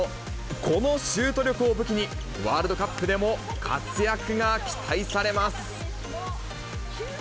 このシュート力を武器にワールドカップでも活躍が期待されます。